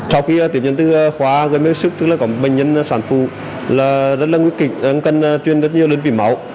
sau khi tiếp nhận từ khóa gần hết sức tức là có bệnh nhân sản phụ là rất là nguy kịch cần truyền rất nhiều đơn vị máu